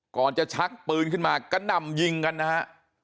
ก่อนจะชักปืนขึ้นมากระหน่ำยิงกันนะฮะ